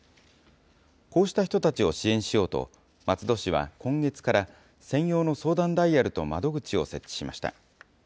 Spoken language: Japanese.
こうした人たちを支援しようと、松戸市は今月から、専用の相談ダイヤルと窓口を設置しました。